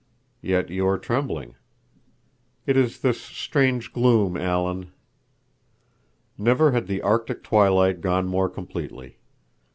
"Yet you are trembling." "It is this strange gloom, Alan." Never had the arctic twilight gone more completely.